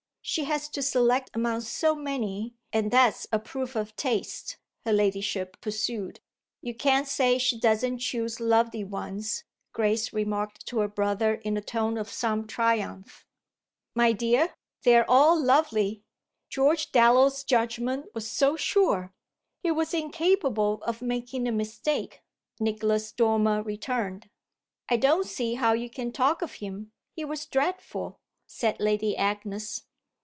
"She has to select among so many, and that's a proof of taste," her ladyship pursued. "You can't say she doesn't choose lovely ones," Grace remarked to her brother in a tone of some triumph. "My dear, they're all lovely. George Dallow's judgement was so sure, he was incapable of making a mistake," Nicholas Dormer returned. "I don't see how you can talk of him, he was dreadful," said Lady Agnes.